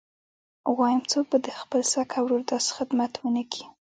وايم څوک به د خپل سکه ورور داسې خدمت ونه کي.